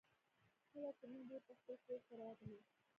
کله چې موږ بېرته خپل کور ته راغلو.